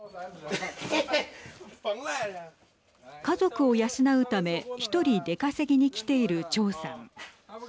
家族を養うため１人、出稼ぎに来ている張さん。